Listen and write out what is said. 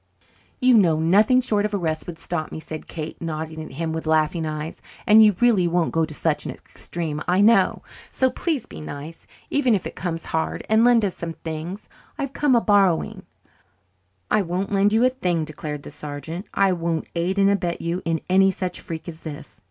"You know nothing short of arrest would stop me," said Kate, nodding at him with laughing eyes, "and you really won't go to such an extreme, I know. So please be nice, even if it comes hard, and lend us some things. I've come a borrying." "I won't lend you a thing," declared the sergeant. "I won't aid and abet you in any such freak as this.